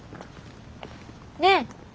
ねえ